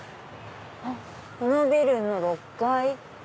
このビルの６階。